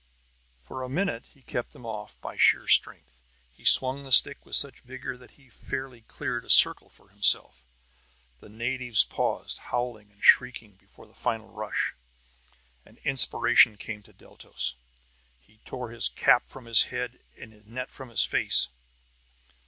For a minute he kept them off by sheer strength. He swung the stick with such vigor that he fairly cleared a circle for himself. The natives paused, howling and shrieking, before the final rush. An inspiration came to Deltos. He tore his cap from his head and his net from his face.